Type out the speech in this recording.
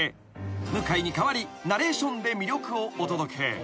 ［向井に代わりナレーションで魅力をお届け］